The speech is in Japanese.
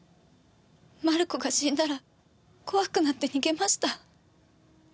マルコが死んだら怖くなって逃げました。